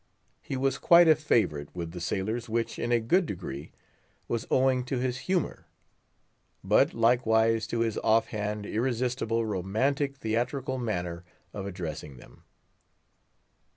He was quite a favourite with the sailors, which, in a good degree, was owing to his humour; but likewise to his off hand, irresistible, romantic, theatrical manner of addressing them.